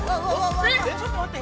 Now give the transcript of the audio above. ◆ちょっと待って。